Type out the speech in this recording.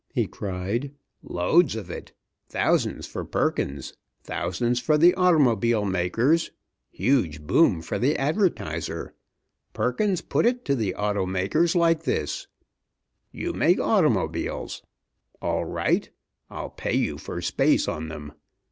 he cried. "Loads of it. Thousands for Perkins thousands for the automobile makers huge boom for the advertiser! Perkins put it to the auto makers like this: 'You make automobiles. All right. I'll pay you for space on them.